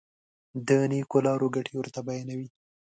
د نېکو لارو ګټې ورته بیانوي.